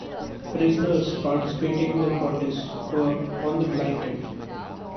Prisoners participating in the protest were "on the blanket".